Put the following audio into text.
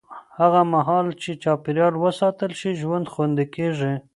هغه مهال چې چاپېریال وساتل شي، ژوند خوندي کېږي.